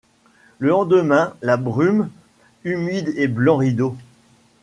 Le lendemain, la brume, humide et blanc rideau